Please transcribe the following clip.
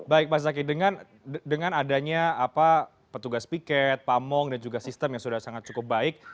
baik pak zaki dengan adanya petugas piket pamong dan juga sistem yang sudah sangat cukup baik